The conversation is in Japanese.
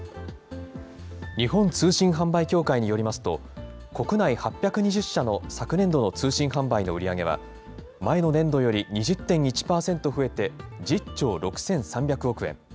日本通信販売協会によりますと、国内８２０社の昨年度の通信販売の売り上げは、前の年度より２０．１％増えて、１０兆６３００億円。